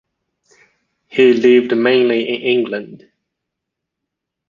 He lived mainly in England.